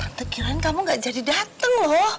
tante kirain kamu nggak jadi dateng loh